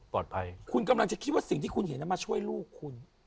ปลอดภัยคุณกำลังจะคิดว่าสิ่งที่คุณเห็นมาช่วยลูกคุณ